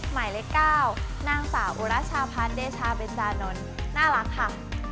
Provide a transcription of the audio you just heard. หมายเลข๙นางสาวบุรชาพันธ์เดชาเบจานนท์น่ารักค่ะ